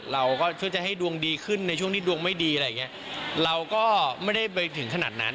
เราก็ช่วยจะให้ดวงดีขึ้นในช่วงที่ดวงไม่ดีอะไรอย่างเงี้ยเราก็ไม่ได้ไปถึงขนาดนั้น